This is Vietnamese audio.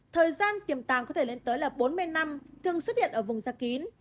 thời gian tiềm tàng có thể lên tới là bốn mươi năm thường xuất hiện ở vùng da kín